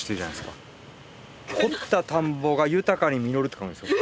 「掘った田んぼが豊かに稔る」って書くんですよ。